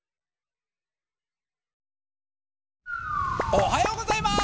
おはようございます！